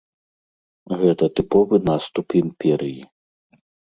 Гэта тыповы наступ імперыі.